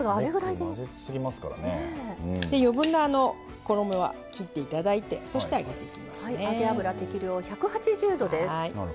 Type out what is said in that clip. で余分な衣は切っていただいてそして揚げていきますね。